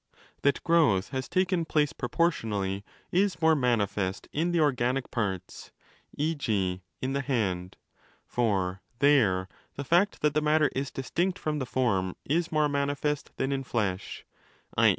That growth has taken place proportionally,? is more manifest in the organic parts—e.g. in the hand. For there the fact that the matter is distinct from the form is 30 more manifest than in flesh, i.